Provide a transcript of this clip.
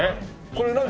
これ何？